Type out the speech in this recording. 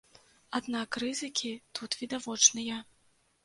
Аднак рызыкі тут відавочныя.